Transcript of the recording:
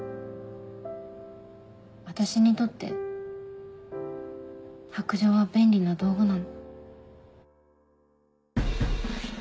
私にとって白杖は便利な道具なの。